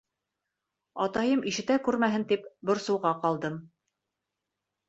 Атайым ишетә күрмәһен тип борсоуға ҡалдым.